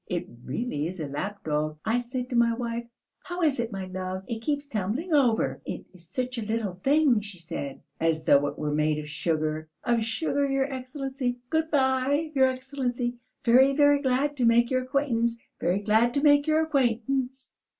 It really is a lapdog! I said to my wife: 'How is it, my love, it keeps tumbling over?' 'It is such a little thing,' she said. As though it were made of sugar, of sugar, your Excellency! Good bye, your Excellency, very, very glad to make your acquaintance, very glad to make your acquaintance!"